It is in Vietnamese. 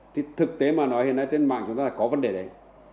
thì thực tế mà nói hiện nay trên mạng chúng ta có vấn đề đấy